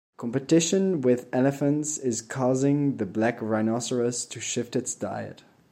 Competition with elephants is causing the black rhinoceros to shift its diet.